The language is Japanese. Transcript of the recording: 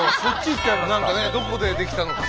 何かねどこで出来たのかとか。